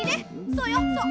そうよそう。